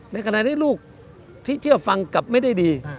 ในขณะที่ลูกที่เชื่อฟังกลับไม่ได้ดี